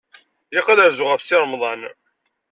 Ilaq ad rzuɣ ɣef Si Remḍan.